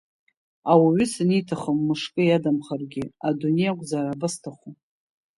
Ауаҩы саниҭахым мышкы иадамхаргьы адунеи ақәзаара абасҭаху?